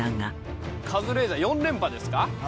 カズレーザー４連覇ですか？